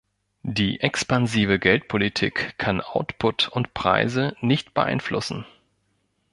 Die expansive Geldpolitik kann Output und Preise nicht beeinflussen.